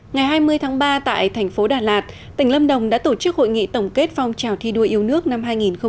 ngày hai mươi tháng ba tại thành phố đà lạt tỉnh lâm đồng đã tổ chức hội nghị tổng kết phong trào thi đua yêu nước năm hai nghìn một mươi chín